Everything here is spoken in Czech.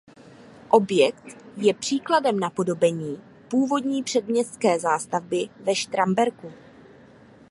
Objekt je příkladem napodobení původní předměstské zástavby ve Štramberku.